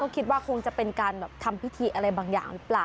คิดว่าคงจะเป็นการทำพิธีอะไรบางอย่างหรือเปล่า